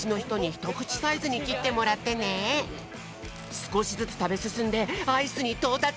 すこしずつたべすすんでアイスにとうたつ。